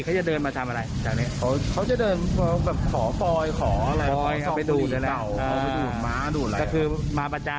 แล้วก็เดี๋ยวประสานเจ้าหน้าที่มาดูแลต่อไปค่ะ